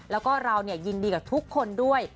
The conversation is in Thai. แล้วก็เรายินดีกับทุกคนด้วย